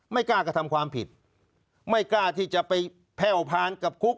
ไม่กล้ากระทำความผิดไม่กล้าที่จะไปแพ่วพานกับคุก